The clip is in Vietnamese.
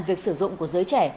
việc sử dụng của giới trẻ